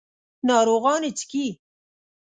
ناروغان یې څښي.